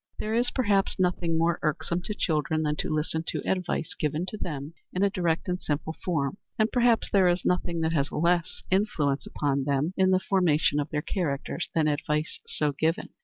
There is, perhaps, nothing more irksome to children than to listen to advice given to them in a direct and simple form, and perhaps there is nothing that has less influence upon them in the formation of their characters than advice so given.